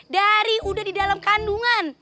dari udah di dalam kandungan